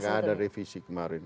tidak ada revisi kemarin